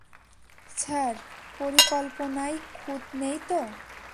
Sir, পরিকল্পনায় খুঁত নেই তো?